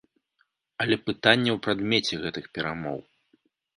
Але пытанне ў прадмеце гэтых перамоў.